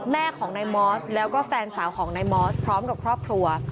แม่ของนายมอสแล้วก็แฟนสาวของนายมอสพร้อมกับครอบครัว